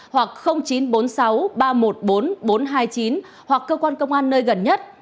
hoặc chín trăm bốn mươi sáu ba trăm một mươi bốn bốn trăm hai mươi chín hoặc cơ quan công an nơi gần nhất